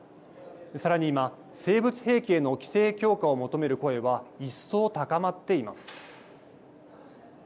さらに今、生物兵器への規制強化を求める声は一層、高まっています。